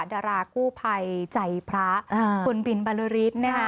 ดารากู้ภัยใจพระคุณบินบรรลือริสต์นะฮะ